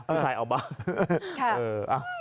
ผู้ชายเอาบ้าง